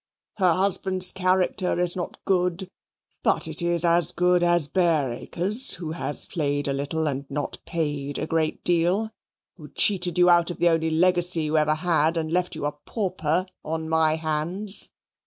Her husband's character is not good, but it is as good as Bareacres', who has played a little and not paid a great deal, who cheated you out of the only legacy you ever had and left you a pauper on my hands.